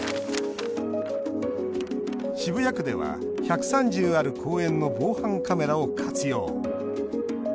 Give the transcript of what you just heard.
渋谷区では１３０ある公園の防犯カメラを活用。